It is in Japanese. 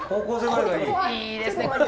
いいですね